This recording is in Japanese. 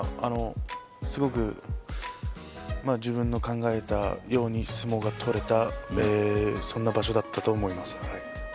自分の考えたように相撲が取れたそんな場所だったと思います。